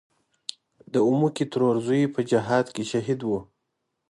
د اومکۍ ترور زوی په جهاد کې شهید و.